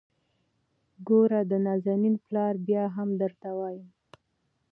ګوره د نازنين پلاره ! بيا هم درته وايم.